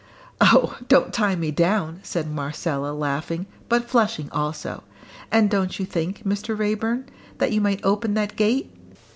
"Oh, don't tie me down!" said Marcella, laughing, but flushing also. "And don't you think, Mr. Raeburn, that you might open that gate?